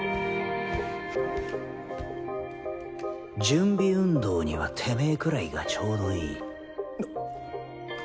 準備運動にはテメーくらいがちょうどいい。